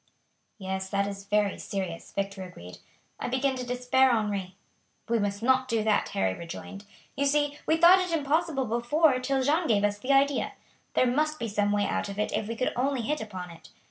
"Yes, that is very serious," Victor agreed. "I begin to despair, Henri." "We must not do that," Harry rejoined. "You see we thought it impossible before till Jeanne gave us the idea. There must be some way out of it if we could only hit upon it.